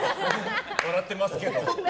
笑ってますけど。